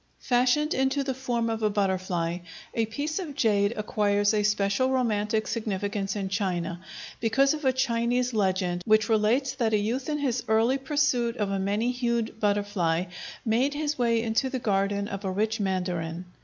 Fashioned into the form of a butterfly, a piece of jade acquires a special romantic significance in China, because of a Chinese legend which relates that a youth in his eager pursuit of a many hued butterfly made his way into the garden of a rich mandarin.